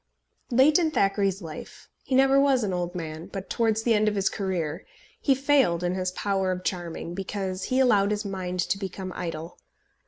Late in Thackeray's life, he never was an old man, but towards the end of his career, he failed in his power of charming, because he allowed his mind to become idle.